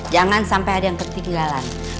jangan sampai ada yang ketinggalan